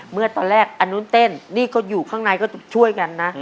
เมื่อตอนแรกอันนู้นเต้นนี่ก็อยู่ข้างในก็ช่วยกันนะ